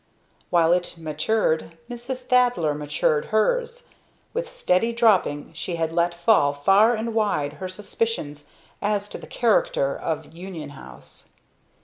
While it matured, Mrs. Thaddler matured hers. With steady dropping she had let fall far and wide her suspicions as to the character of Union House.